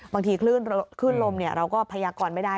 บางทีคลื่นลมเราก็พยากรไม่ได้